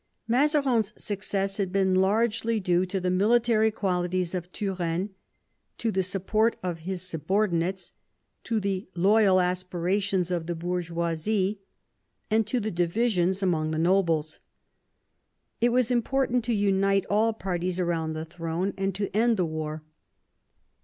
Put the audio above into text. Mazarin's success had been largely due to the military qualities of Turenne, to the support of his subordinates, to the loyal aspirations of the bourgeoisie, and to the divisions among the nobles. It was important to unite all parties round the throne and to end the war.